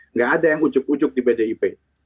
nggak ada yang ujug ujug di bdip